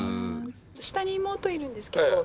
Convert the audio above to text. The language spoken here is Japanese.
下に妹いるんですけど。